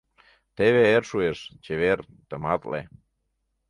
Теве эр шуэш — чевер, тыматле.